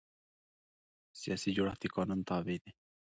سیاسي جوړښت د قانون تابع دی